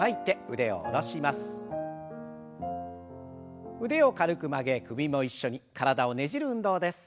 腕を軽く曲げ首も一緒に体をねじる運動です。